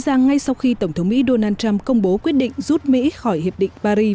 ra ngay sau khi tổng thống mỹ donald trump công bố quyết định rút mỹ khỏi hiệp định paris